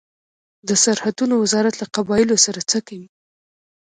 د سرحدونو وزارت له قبایلو سره څه کوي؟